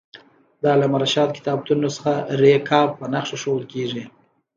د علامه رشاد کتابتون نسخه رک په نخښه ښوول کېږي.